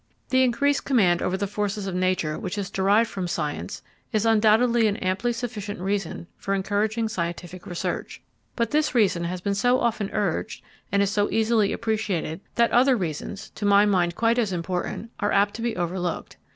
The increased command over the forces of nature which is derived from science is undoubtedly an amply sufficient reason for encouraging scientific research, but this reason has been so often urged and is so easily appreciated that other reasons, to my mind quite as important, are apt to be overlooked.